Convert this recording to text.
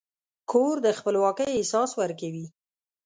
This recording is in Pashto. کور د خپلواکۍ احساس ورکوي.